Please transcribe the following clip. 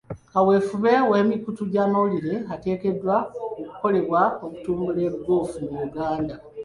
Kaweefube w'emikutu gy'amawulire ateekeddwa okukolebwa okutumbula ggoofu mu Uganda.